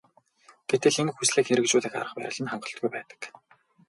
Гэтэл энэ хүслийг хэрэгжүүлэх арга барил нь хангалтгүй байдаг.